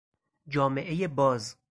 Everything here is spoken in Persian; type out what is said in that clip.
جامعهی باز